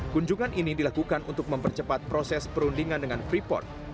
kunjungan ini dilakukan untuk mempercepat proses perundingan dengan freeport